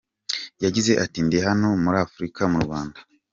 Yagize ati “Ndi hano muri Afuruka, mu Rwanda.